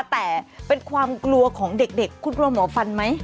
แต่เป็นความกลัวของเด็กคุณกลัวหมอฟันไหม